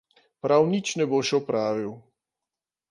Prav nič ne boš opravil!